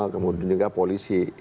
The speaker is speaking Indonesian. kemudian juga polisi